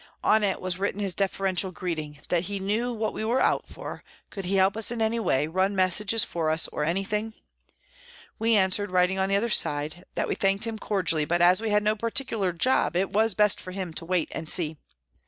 On it was written his deferential greeting, that he knew what we were out for, could he help us in any way, run messages for us or any thing ? We answered, writing on the other side, that we thanked him cordially, but as we had no particular job, it was best for him to " wait and see."